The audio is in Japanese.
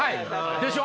でしょ？